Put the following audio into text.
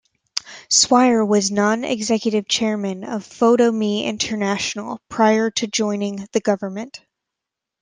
Swire was non-executive chairman of Photo-Me International prior to joining the Government.